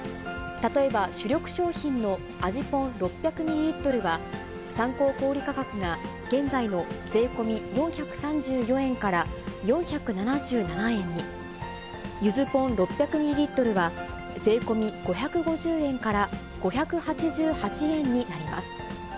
例えば、主力商品の味ぽん６００ミリリットルは、参考小売り価格が現在の税込４３４円から４７７円に、ゆずぽん６００ミリリットルは税込５５０円から５８８円になります。